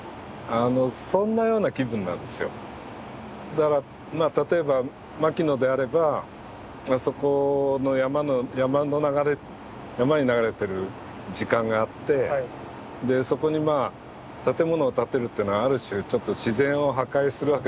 だから例えば牧野であればあそこの山の流れ山に流れてる時間があってそこにまあ建物を建てるってのはある種自然を破壊するわけですよね。